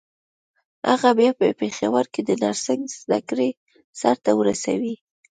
هغه بيا په پېښور کې د نرسنګ زدکړې سرته ورسولې.